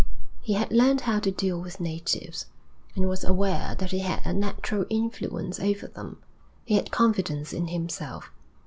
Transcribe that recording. He had learnt how to deal with natives, and was aware that he had a natural influence over them. He had confidence in himself.